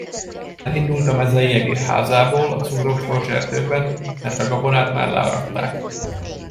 Elindult a mezeiegér házából a szúrós torzserdőben, mert a gabonát már learatták.